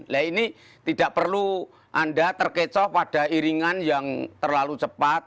nah ini tidak perlu anda terkecoh pada iringan yang terlalu cepat